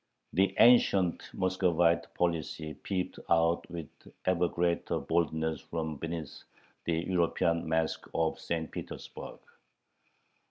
The ancient Muscovite policy peeped out with ever greater boldness from beneath the European mask of St. Petersburg.